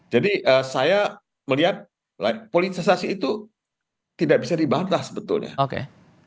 jadi saya melihat politisasi itu tidak bisa dibatasi sebetulnya